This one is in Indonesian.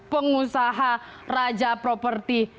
pengusaha raja properti